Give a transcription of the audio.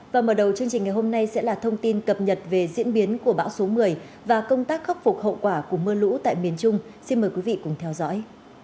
và mở đầu chương trình ngày hôm nay sẽ là thông tin cập nhật về diễn biến của bão số một mươi và công tác khắc phục hậu quả của mưa lũ tại miền trung xin mời quý vị cùng theo dõi